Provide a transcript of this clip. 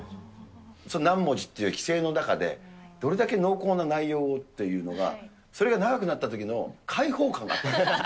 その何文字っていう規制の中で、どれだけ濃厚な内容をっていうのが、それが長くなったときの解放感があった。